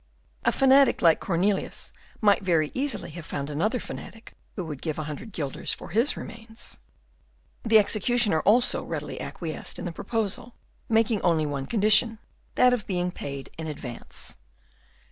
A fanatic like Cornelius might very easily have found another fanatic who would give a hundred guilders for his remains. The executioner also readily acquiesced in the proposal, making only one condition, that of being paid in advance.